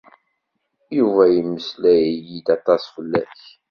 Yuba yemmeslay-iyi-d aṭas fell-ak.